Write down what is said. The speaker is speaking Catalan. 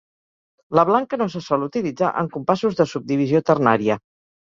La blanca no se sol utilitzar en compassos de subdivisió ternària.